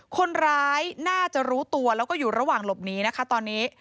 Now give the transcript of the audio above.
คนร้ายน่าจะรู้ตัวแล้วก็อยู่ระหว่างหลบหนีนะคะตอนนี้